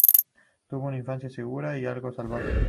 Tuvo una infancia segura y algo salvaje.